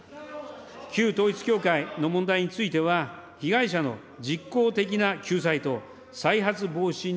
旧統一教会の問題については、被害者の実効的な救済と再発防止に